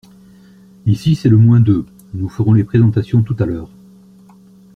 Ici, c’est le moins deux. Nous ferons les présentations tout à l’heure.